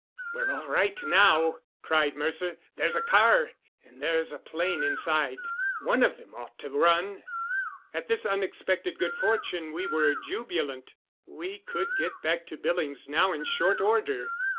"We're all right now," cried Mercer. "There's a car, and there's a plane inside. One of them ought to run." At this unexpected good fortune we were jubilant. We could get back to Billings now in short order.